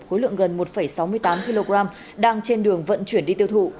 khối lượng gần một sáu mươi tám kg đang trên đường vận chuyển đi tiêu thụ